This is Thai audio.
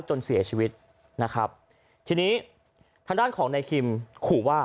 จนเสียชีวิตนะครับทีนี้ทางด้านของนายคิมขู่ว่า